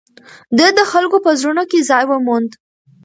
ده د خلکو په زړونو کې ځای وموند.